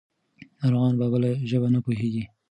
ناروغان په بله ژبه نه پوهېږي.